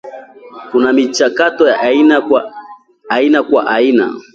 Kuna michakato ya aina kwa aina